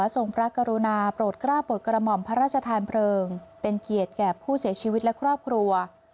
ทรงพระกรุณาโปรดกล้าโปรดกระหม่อมพระราชทานเพลิงเป็นเกียรติแก่ผู้เสียชีวิตและครอบครัว